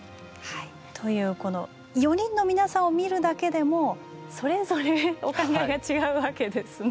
というこの４人の皆さんを見るだけでもそれぞれお考えが違うわけですね。